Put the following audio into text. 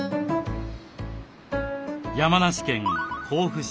山梨県甲府市。